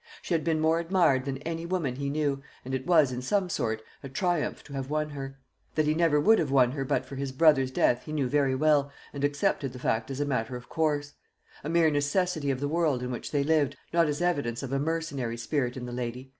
She had been more admired than any woman he knew, and it was, in some sort, a triumph to have won her. That he never would have won her but for his brother's death he knew very well, and accepted the fact as a matter of course; a mere necessity of the world in which they lived, not as evidence of a mercenary spirit in the lady.